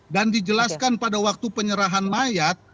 dijelaskan pada waktu penyerahan mayat